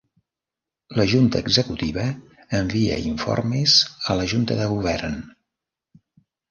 La junta executiva envia informes a la junta de govern.